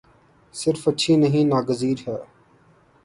صرف اچھی نہیں ناگزیر ہے۔